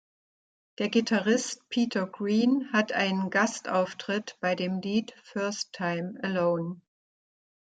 Der Gitarrist Peter Green hat einen Gastauftritt bei dem Lied "First Time Alone".